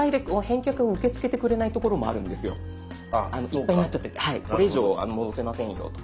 いっぱいになっちゃっててこれ以上戻せませんよと。